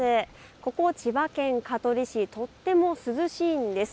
ここ千葉県香取市、とっても涼しいんです。